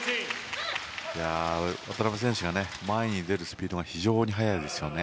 渡辺選手が前に出るスピードが非常に速いですよね。